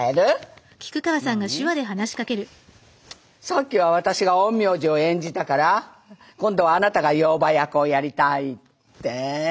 さっきは私が陰陽師を演じたから今度はあなたが妖婆役をやりたいって？